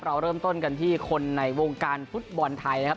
เราเริ่มต้นกันที่คนในวงการฟุตบอลไทยนะครับ